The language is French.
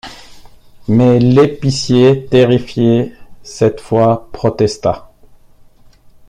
Mais l’épicier, terrifié cette fois, protesta.